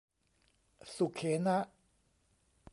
สุเขนะ